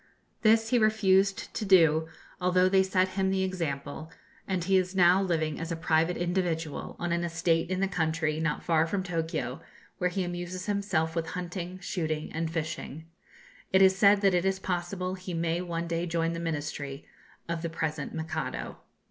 This he refused to do, although they set him the example; and he is now living as a private individual on an estate in the country, not far from Tokio, where he amuses himself with hunting, shooting, and fishing. It is said that it is possible he may one day join the ministry of the present Mikado.